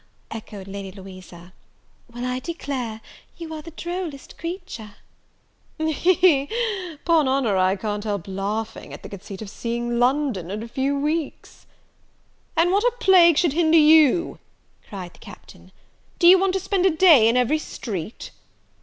Ha! ha! ha!" "Ha! ha!" echoed Lady Louisa; "Well, I declare you are the drollest creature." "He! he! 'Pon honour, I can't help laughing at the conceit of seeing London in a few weeks!" "And what a plague should hinder you?" cried the Captain; "do you want to spend a day in every street?"